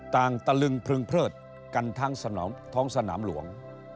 ต่างตลึงพลึงเพลิดกันท้องสนามหลวง